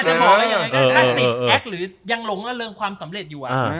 ถ้าติดแอคหรือยังหลงระเริงความสำเร็จอยู่